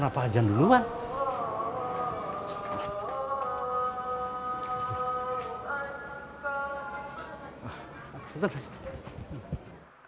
sampai gak hacia kosong udah terb analog